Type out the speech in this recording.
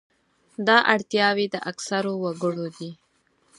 دا اړتیاوې د اکثرو وګړو دي.